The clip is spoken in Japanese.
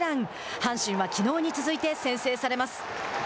阪神は、きのうに続いて先制されます。